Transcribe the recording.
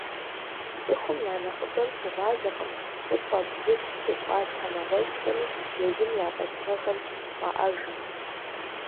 Цӏыхум я нэхъыбэр щыгъуазэкъым щӏыпӏэ, бгы, псы, ӏуащхьэ, нэгъуэщӏхэми езым я фӏэщыгъэхэр щӏаӏэжым.